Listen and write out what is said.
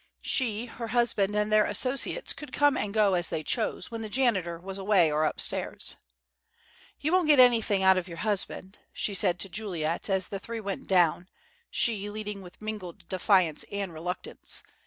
She, her husband, and their associates could come and go as they chose when the janitor was away or upstairs. "You won't get anything out of your husband," she said to Juliet as the three went down, she leading with mingled defiance and reluctance.